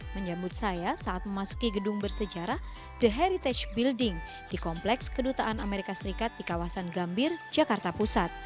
menyambut saya saat memasuki gedung bersejarah the heritage building di kompleks kedutaan amerika serikat di kawasan gambir jakarta pusat